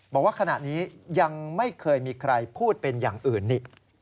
บอกว่าขณะนี้ยังไม่เคยมีใครพูดเป็นอย่างอื่นนี่